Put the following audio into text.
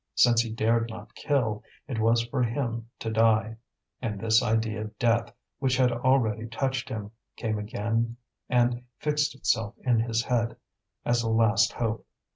Since he dared not kill, it was for him to die; and this idea of death, which had already touched him, came again and fixed itself in his head, as a last hope.